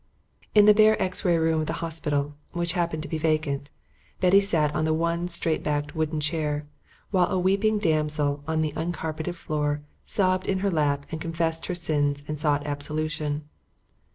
In the bare X ray room of the hospital, which happened to be vacant, Betty sat on the one straight backed wooden chair, while a weeping damsel on the uncarpeted floor sobbed in her lap and confessed her sins and sought absolution.